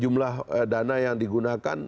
jumlah dana yang digunakan